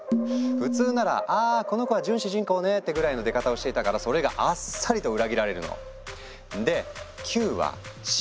普通ならあこの子が準主人公ねってぐらいの出方をしていたからそれがあっさりと裏切られるの。